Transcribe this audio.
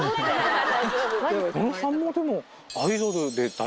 野呂さんもでも。